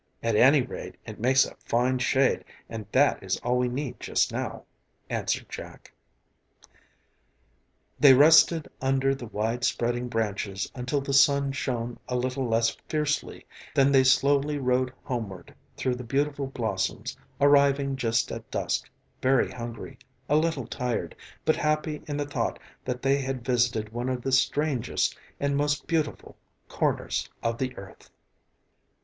"At any rate it makes a fine shade and that is all we need just now," answered Jack. They rested under the wide spreading branches until the sun shone a bit less fiercely, then they slowly rode homeward through the beautiful blossoms, arriving just at dusk, very hungry, a little tired, but happy in the thought that they had visited one of the strangest and most beautiful corners of the earth.